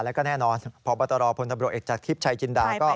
แล้วก็แน่นอนพบตรพทเอกจากทฤษฎีชายกินดา